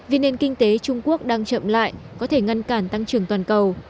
vì nền kinh tế trung quốc đang chậm lại có thể ngăn cản tăng trưởng toàn cầu